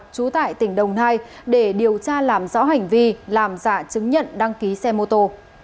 trú tại tỉnh đồng nai để điều tra làm rõ hành vi làm giả chứng nhận đăng ký xe mô tô